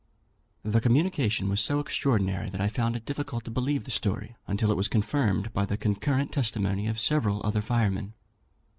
"The communication was so extraordinary, that I found it difficult to believe the story, until it was confirmed by the concurrent testimony of several other firemen.